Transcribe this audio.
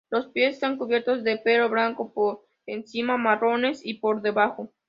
Los pies están cubiertos de pelo blanco por encima y marrones por debajo.